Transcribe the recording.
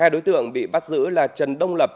hai đối tượng bị bắt giữ là trần đông lập